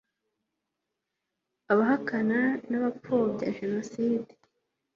abahakana n'abapfobya jenoside